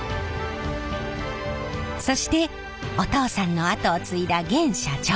そしてお父さんの後を継いだ現社長。